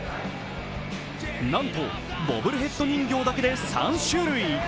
なんとボブルヘッド人形だけで３種類。